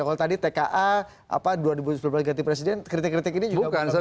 kalau tadi tka dua ribu sembilan belas ganti presiden kritik kritik ini juga bukan soal